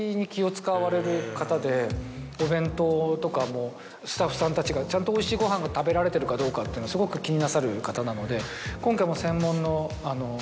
お弁当とかもスタッフさんたちがちゃんとおいしいご飯が食べられてるかどうかってのをすごく気になさる方なので今回も。